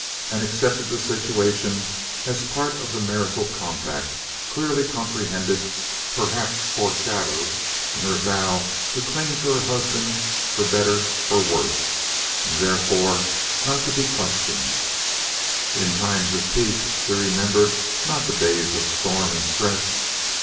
and accepted the situation as part of the marital compact, clearly comprehended, perhaps foreshadowed, in her vow to cling to her husband "for better for worse," and therefore not to be questioned. In times of peace she remembered not the days of storm and stress.